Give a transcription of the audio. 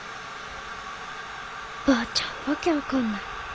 ばあちゃんわけわかんない。